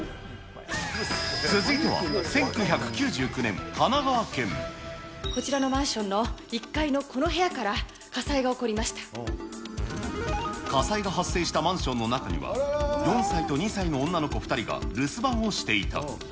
続いては１９９９年、神奈川こちらのマンションの１階の火災が発生したマンションの中には、４歳と２歳の女の子２人が留守番をしていた。